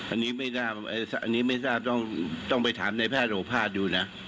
อันนี้ไม่ทราบต้องต้องไปถามในแพทย์โรคภาษณ์ดูนะ